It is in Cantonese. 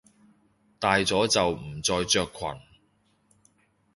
大咗就唔再着裙！